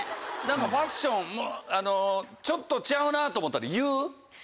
ファッションちょっとちゃうなと思ったら言う？